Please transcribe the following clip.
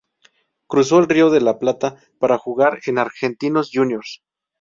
Cruzó el Río de la Plata, para jugar en Argentinos Juniors.